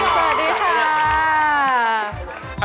สวัสดีค่ะ